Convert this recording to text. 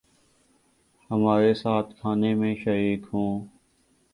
ہمارے ساتھ کھانے میں شریک ہوں